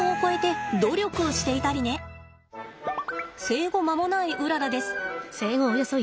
生後間もないうららです。